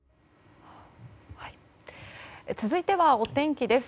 続いては、お天気です。